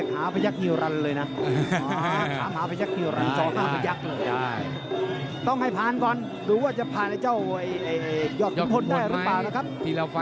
ยอดมือธละปะนะครับ